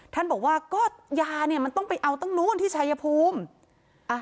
ท่านบอกว่าก็ยาเนี่ยมันต้องไปเอาตั้งนู้นที่ชายภูมิอ่ะ